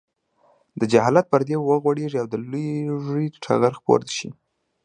د جهالت پردې وغوړېږي او د لوږې ټغر خپور شي.